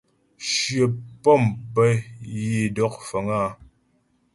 Shyə pɔ̂m pə́ yə é dɔk fəŋ áa.